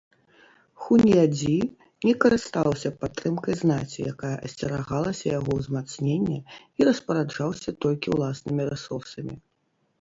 Хуньядзі не карыстаўся падтрымкай знаці, якая асцерагалася яго ўзмацнення, і распараджаўся толькі ўласнымі рэсурсамі.